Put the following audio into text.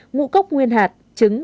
ngũ cốc nguyên hạt trứng